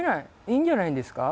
いいんじゃないんですか？」